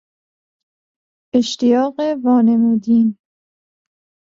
اشتیاق وانمودین